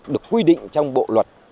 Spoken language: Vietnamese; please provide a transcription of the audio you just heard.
được quy định trong bộ luật